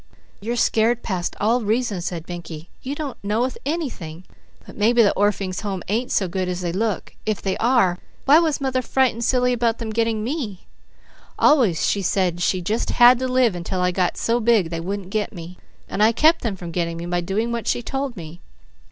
"You're scared past all reason," said Mickey. "You don't know anything. But maybe the Orphings' Homes ain't so good as they look. If they are, why was mother frightened silly about them getting me? Always she said she just had to live until I got so big they wouldn't 'get' me. And I kept them from getting me by doing what she told me.